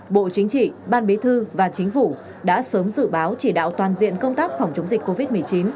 bộ chính trị ban bí thư và chính phủ đã sớm dự báo chỉ đạo toàn diện công tác phòng chống dịch covid một mươi chín